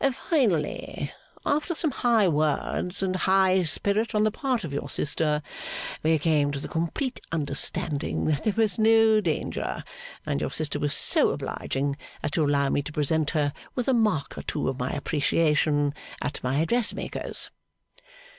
Finally, after some high words and high spirit on the part of your sister, we came to the complete understanding that there was no danger; and your sister was so obliging as to allow me to present her with a mark or two of my appreciation at my dressmaker's.